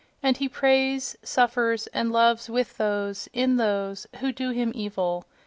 And he prays, suffers and loves with those, in those, who do him evil....